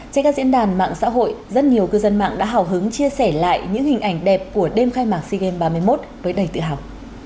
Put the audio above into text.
trên các diễn đàn mạng xã hội rất nhiều cư dân mạng đã hào hứng chia sẻ lại những hình ảnh đẹp của đêm khai mạc sea games ba mươi một với đầy tự hào